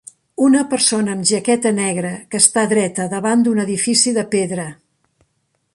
Una persona amb jaqueta negra que esta dreta davant d'un edifici de pedra.